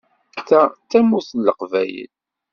Ta d Tamurt n Leqbayel.